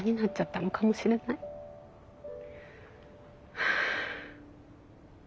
はあ。